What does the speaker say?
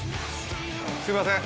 すいません